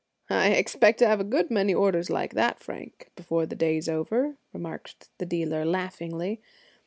"I expect to have a good many orders like that, Frank, before the day is over," remarked the dealer, laughingly.